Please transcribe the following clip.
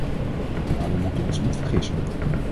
Maar we moeten ons niet vergissen.